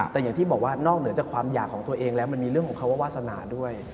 แต่อย่างที่บอกว่านอกเหนือจากความอยากของตัวเองแล้วมันมีเรื่องของคำว่าวาสนาด้วย